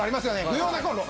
不要なコンロ。